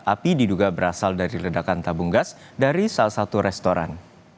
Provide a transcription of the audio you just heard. api diduga berasal dari ledakan tabung gas dari salah satu restoran